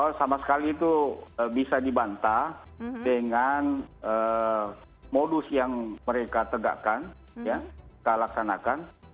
nah sama sekali itu bisa dibantah dengan modus yang mereka tegakkan ya terlaksanakan